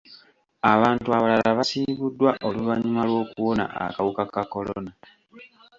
Abantu abalala basiibuddwa oluvannyuma lw'okuwona akawuka ka kolona.